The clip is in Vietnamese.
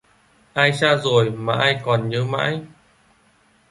Ai xa rồi mà ai còn nhớ mãi